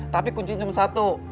tapi kuncinya cuma satu